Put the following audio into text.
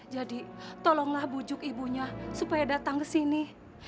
tolonglah bujuk ibunya supaya datang ke sini